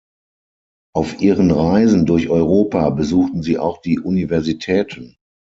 Auf ihren Reisen durch Europa besuchten sie auch die Universitäten.